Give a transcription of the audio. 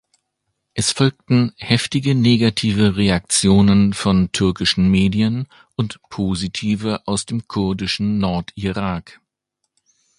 Es folgten heftige negative Reaktionen von türkischen Medien und positive aus dem kurdischen Nordirak.